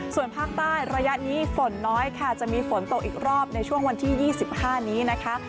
ส่วนภาคใต้ระยะนี้ฝนน้อยค่ะจะมีฝนตกอีกรอบในช่วงวันที่๒๕นี้นะคะ